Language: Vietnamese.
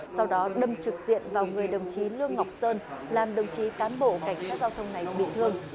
sau đó đâm trực diện vào người đồng chí lương ngọc sơn làm đồng chí cán bộ cảnh sát giao thông này bị thương